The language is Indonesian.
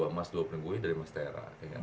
dua emas dua perunggu ini dari mas tera